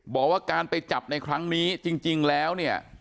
บอกว่าการไปจับในครั้งนี้จริงแล้วเนี่ย